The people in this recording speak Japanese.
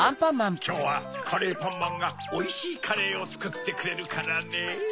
きょうはカレーパンマンがおいしいカレーをつくってくれるからねぇ。